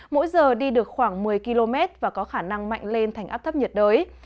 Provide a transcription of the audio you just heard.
mỗi giờ đi được khoảng một mươi km và có khả năng mạnh lên thành áp thấp nhiệt đới